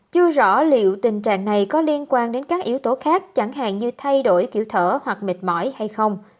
chưa rõ liệu tình trạng này có liên quan đến các yếu tố khác chẳng hạn như thay đổi kiểu thở hoặc mệt mỏi hay không